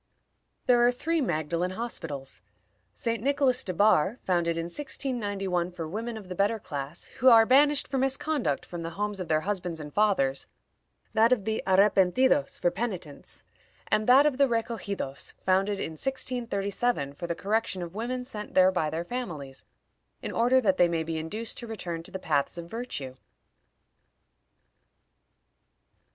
There are three Magdalen Hospitals: St. Nicholas de Barr, founded in 1691 for women of the better class, who are banished for misconduct from the homes of their husbands and fathers; that of the Arrepentidos, for penitents; and that of the Recogidos, founded in 1637, for the correction of women sent there by their families, in order that they may be induced to return to the paths of virtue.